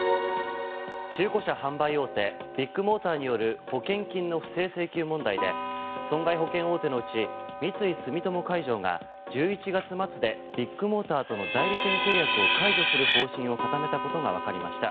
中古車販売大手ビッグモーターによる保険金の不正請求問題で損害保険大手のうち三井住友海上が１１月末でビッグモーターとの代理店契約を解除する方針を固めたことがわかりました。